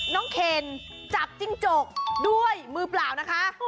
เคนจับจิ้งจกด้วยมือเปล่านะคะ